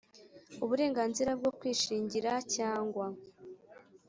Uburenganzira bwo kwishingira cyangwa